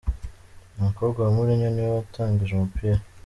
Umukobwa wa Mourinho niwe watangije umupira.